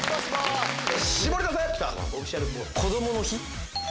こどもの日。